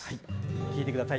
聴いてください。